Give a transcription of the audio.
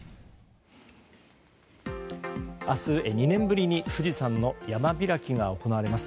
明日、２年ぶりに富士山の山開きが行われます。